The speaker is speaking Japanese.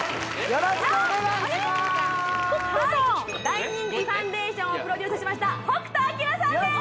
北斗さんはい大人気ファンデーションをプロデュースしました北斗晶さんです！